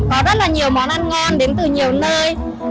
có rất là nhiều món ăn ngon đến từ nhiều nơi